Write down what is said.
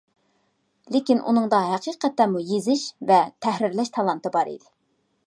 لېكىن ئۇنىڭدا ھەقىقەتەنمۇ يېزىش ۋە تەھرىرلەش تالانتى بار ئىدى.